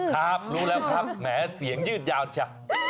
ครับรู้แล้วครับแหมเสียงยืดยาวจ้ะ